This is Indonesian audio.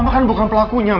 ma kan bukan pelakunya ma